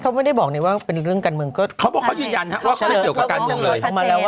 เขาไม่ได้บอกเลยว่าเป็นเรื่องการเมืองก็เขาบอกเขายืนยันฮะว่าเขาไม่เกี่ยวกับการเมืองเลย